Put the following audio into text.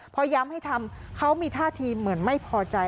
พอย้ำให้ทำเขามีท่าทีเหมือนไม่พอใจ